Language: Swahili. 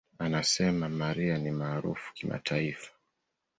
Anasema, "Mariah ni maarufu kimataifa.